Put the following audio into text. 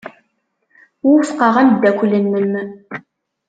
Wufqeɣ ameddakel-nnem.